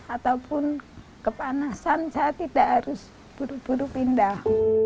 ataupun kepanasan saya tidak harus buru buru pindah